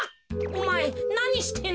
おまえなにしてんの？